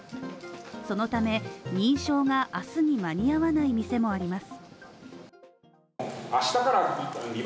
そのため、認証が明日に間に合わない店もあります。